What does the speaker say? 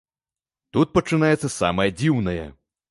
Тут пачынаецца самае дзіўнае.